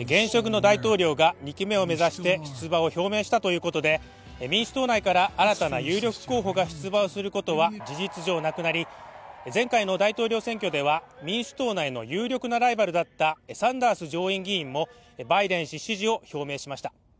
現職の大統領が２期目を目指して出馬を表明したということで民主党内から新たな有力候補が出馬することは事実上なくなり、前回の大統領選挙では、民主党内の有力なライバルだったサンダース上院議員もバイデン氏支持を表明しました。